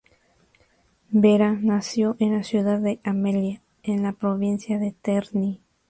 Vera nació en la ciudad de Amelia, en la provincia de Terni.